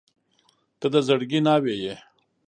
• ته د زړګي ناوې یې.